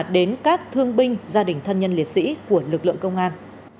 đến các thương binh gia đình thân nhân liệt sĩ của lực lượng công an